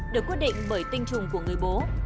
được quyết định bởi tinh trùng của người bố